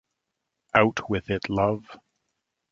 Out with it, love.